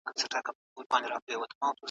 اسلام د بډایه او غریب ترمنځ واټن کموي.